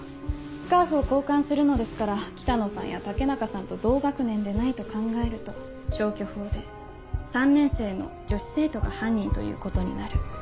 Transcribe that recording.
スカーフを交換するのですから北野さんや武中さんと同学年でないと考えると消去法で３年生の女子生徒が犯人ということになる。